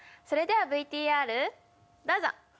それではＶＴＲどうぞ！